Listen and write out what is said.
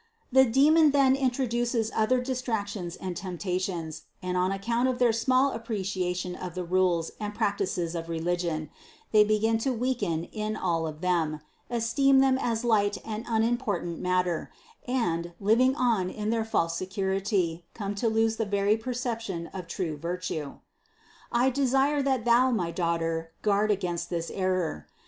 The demon then introduces other distractions and temptations, and on account of their small appreciation of the rules and practices of religion, they begin to weaken in all of them, esteem them as light and unimportant matter, and, living on in their false security, come to lose the very perception of true virtue. 478. I desire that thou, my daughter, guard against this error.